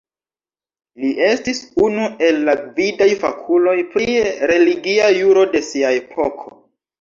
Li estis unu el la gvidaj fakuloj pri religia juro de sia epoko.